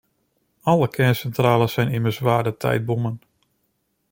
Alle kerncentrales zijn immers ware tijdbommen.